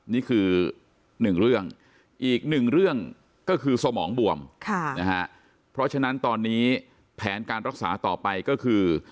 นี่คือหนึ่งเรื่องอีกหนึ่งเรื่องก็คือสมองบวมเพราะฉะนั้นตอนนี้แผนการรักษาต่อไปก็คือ